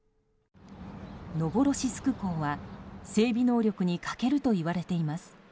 ノボロシスク港は整備能力に欠けるといわれています。